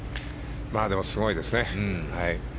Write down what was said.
でも、すごいですね。